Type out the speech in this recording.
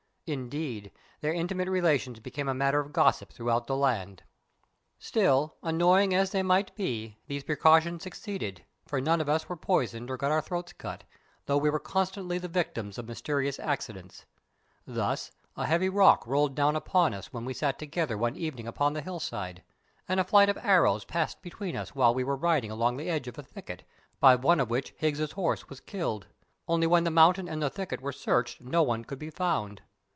Indeed, their intimate relations became a matter of gossip throughout the land. Still, annoying as they might be, these precautions succeeded, for none of us were poisoned or got our throats cut, although we were constantly the victims of mysterious accidents. Thus, a heavy rock rolled down upon us when we sat together one evening upon the hill side, and a flight of arrows passed between us while we were riding along the edge of a thicket, by one of which Higgs's horse was killed. Only when the mountain and the thicket were searched no one could be found.